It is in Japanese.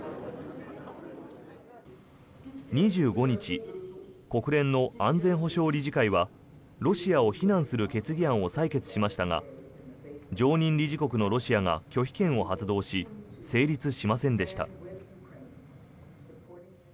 ２５日国連の安全保障理事会はロシアを非難する決議案を採決しましたが常任理事国のロシアが拒否権を発動し成立しませんでした。